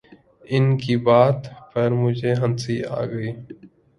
ان کی بات پر مجھے ہنسی آ گئی